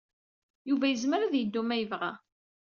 Yuba yezmer ad yeddu ma yebɣa.